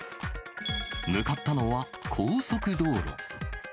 向かったのは、高速道路。